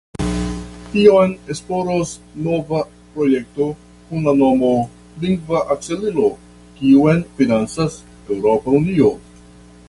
Tion esploros nova projekto kun la nomo "Lingva Akcelilo", kiun financas Eŭropa Unio.